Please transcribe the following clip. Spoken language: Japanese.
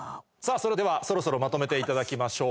それではそろそろまとめていただきましょう。